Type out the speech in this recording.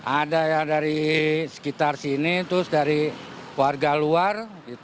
ada yang dari sekitar sini terus dari warga luar